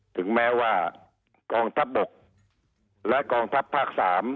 ถึงแม้ว่ากองทัพบกและกองทัพภาค๓